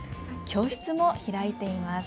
教室も開いています。